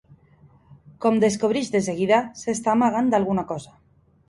Com descobreix de seguida, s'està amagant d'alguna cosa.